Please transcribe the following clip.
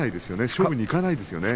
勝負にいかないですよね。